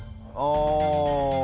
ああ。